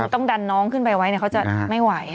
ต้องดันน้องขึ้นไปไว้เขาจะไม่ไหว